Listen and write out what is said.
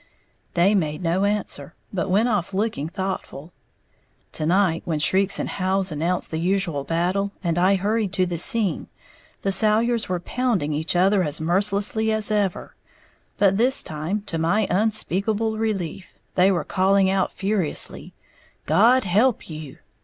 They made no answer, but went off looking thoughtful. To night when shrieks and howls announced the usual battle, and I hurried to the scene, the Salyers were pounding each other as mercilessly as ever, but this time, to my unspeakable relief, they were calling out furiously, "God help you!"